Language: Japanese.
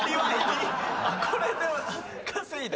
これで稼いで。